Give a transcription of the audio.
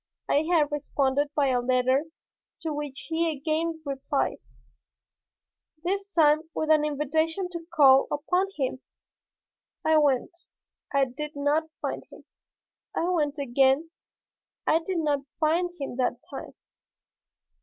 I had responded by a letter to which he again replied, this time with an invitation to call upon him. I went I did not find him. I went again. I did not find him that time.